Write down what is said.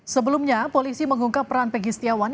sebelumnya polisi mengungkap peran pegi setiawan